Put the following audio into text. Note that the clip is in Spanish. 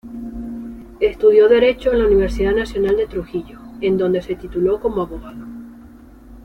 Estudió Derecho en la Universidad Nacional de Trujillo, en dónde se tituló como abogado.